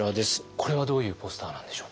これはどういうポスターなんでしょう？